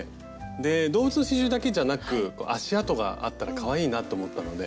で動物の刺しゅうだけじゃなく足あとがあったらかわいいなと思ったので。